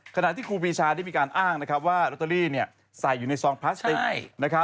ขณะที่ครูปีชาได้มีการอ้างว่าลอตเตอรี่ใส่อยู่ในซองพลาสติก